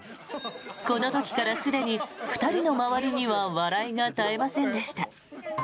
この時からすでに２人の周りには笑いが絶えませんでした。